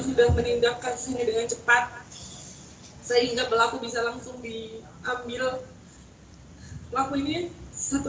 sudah menindakkan sini dengan cepat sehingga pelaku bisa langsung diambil pelaku ini satu